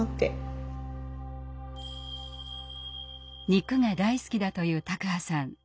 肉が大好きだという卓巴さん。